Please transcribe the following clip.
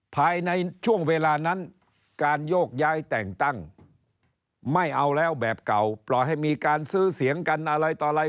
ภายในช่วงเวลานั้นการโยกย้ายแต่งตั้งไม่เอาแล้วแบบเก่าปล่อยให้มีการซื้อเสียงกันอะไรต่ออะไร